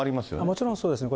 もちろんそうですね。